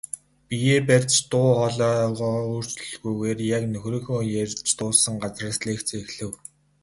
Биеэ сайн барьж, дуу хоолойгоо өөрчлөлгүйгээр яг нөхрийнхөө ярьж дууссан газраас лекцээ эхлэв.